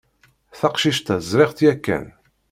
Taqcict-a ẓriɣ-tt yakan.